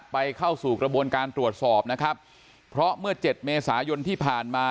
เข้าสู่กระบวนการตรวจสอบนะครับเพราะเมื่อเจ็ดเมษายนที่ผ่านมา